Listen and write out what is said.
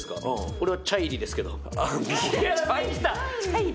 俺はチャイリですけどチャイリ！？